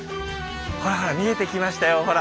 ほらほら見えてきましたよほら。